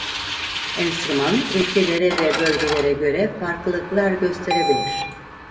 Enstrüman ülkelere ve bölgelere göre farklılıklar gösterebilir.